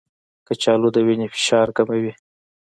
کچالو د وینې فشار کموي.